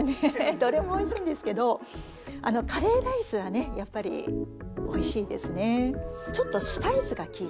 どれもおいしいんですけどカレーライスはやっぱりおいしいですね。